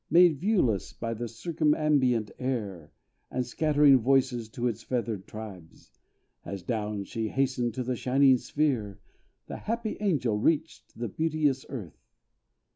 Made viewless by the circumambient air, And scattering voices to its feathered tribes, As down she hastened to the shining sphere, The happy angel reached the beauteous earth.